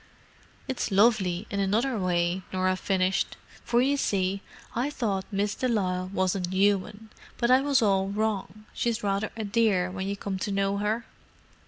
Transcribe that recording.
"It's lovely in another way," Norah finished. "For you see, I thought Miss de Lisle wasn't human, but I was all wrong. She's rather a dear when you come to know her."